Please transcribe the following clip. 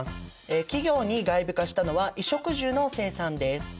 企業に外部化したのは衣食住の生産です。